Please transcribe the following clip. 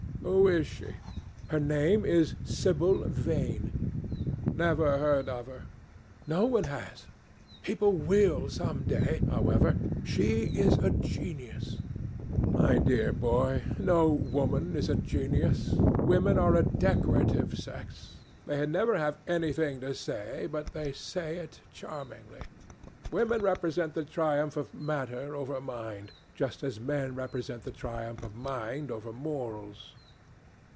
"Who is she?" "Her name is Sibyl Vane." "Never heard of her." "No one has. People will some day, however. She is a genius." "My dear boy, no woman is a genius. Women are a decorative sex. They never have anything to say, but they say it charmingly. Women represent the triumph of matter over mind, just as men represent the triumph of mind over morals."